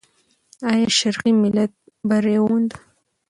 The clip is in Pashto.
آیا شرقي ملت بری وموند؟